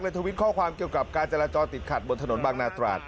ทวิตข้อความเกี่ยวกับการจราจรติดขัดบนถนนบางนาตราด